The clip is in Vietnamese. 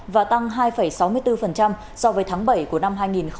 và tăng hai sáu mươi bốn so với tháng bảy của năm hai nghìn hai mươi